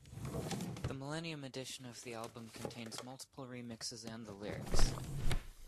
The millennium edition of the album contains multiple remixes and the lyrics.